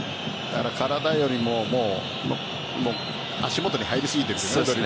体よりも足元に入りすぎている。